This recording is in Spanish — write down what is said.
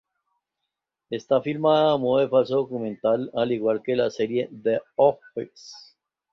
Está filmada a modo de falso documental, al igual que la serie "The Office".